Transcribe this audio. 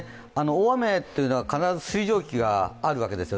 大雨というのは必ず水蒸気があるわけです。